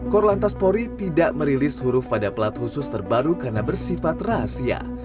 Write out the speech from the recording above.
korlantas polri tidak merilis huruf pada pelat khusus terbaru karena bersifat rahasia